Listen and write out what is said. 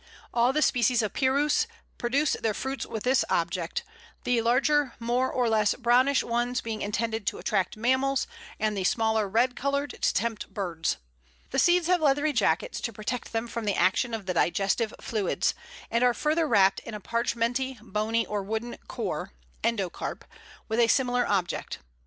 All the species of Pyrus produce their fruits with this object, the larger more or less brownish ones being intended to attract mammals, the smaller and red coloured to tempt birds. The seeds have leathery jackets to protect them from the action of the digestive fluids, and are further wrapped in a parchmenty, bony, or wooden "core" (endocarp) with a similar object.